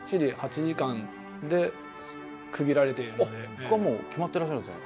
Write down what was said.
そこはもう決まってらっしゃるんですね。